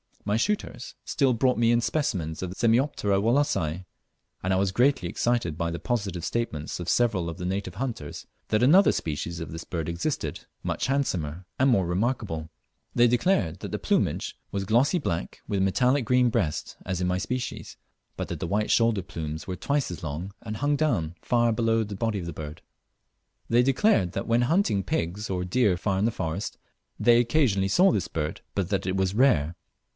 My shooters still brought me in specimens of the Semioptera Wallacei, and I was greatly excited by the positive statements of several of the native hunters that another species of this bird existed, much handsomer and more remarkable. They declared that the plumage was glossy black, with metallic green breast as in my species, but that the white shoulder plumes were twice as long, and hung down far below the body of the bird. They declared that when hunting pigs or deer far in the forest they occasionally saw this bird, but that it was rare.